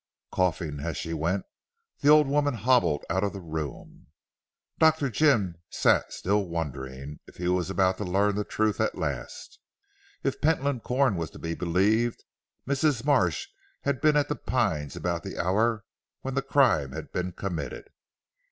Coughing as she went the old woman hobbled out of the room. Dr. Jim sat still wondering if he was about to learn the truth at last. If Pentland Corn was to be believed, Mrs. Marsh had been at "The Pines" about the hour when the crime had been committed.